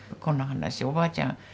この話おばあちゃん